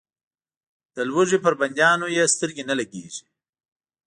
د لوږې پر بندیانو یې سترګې نه لګېږي.